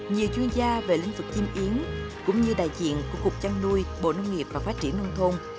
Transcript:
nhiều chuyên gia về lĩnh vực chim yến cũng như đại diện của cục chăn nuôi bộ nông nghiệp và phát triển nông thôn